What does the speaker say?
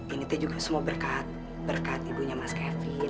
ini t juga semua berkat berkat ibunya mas kevin